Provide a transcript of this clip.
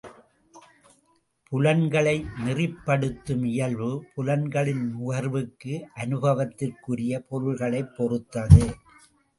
புலன்களை நெறிப் படுத்தும் இயல்பு புலன்களின் நுகர்வுக்கு அனுபவத்திற்குரிய பொருள்களைப் பொறுத்தது.